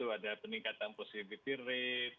ada peningkatan posisi ketirik